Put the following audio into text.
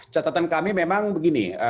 catatan kami memang begini